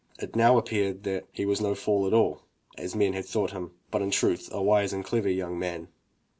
It now appeared that he was no fool at all, as men had thought him, but in truth a wise and clever young man.